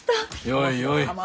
よいよい。